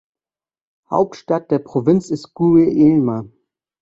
Hauptstadt der Provinz ist Guelma.